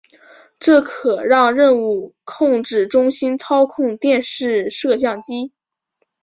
这可让任务控制中心操控电视摄像机。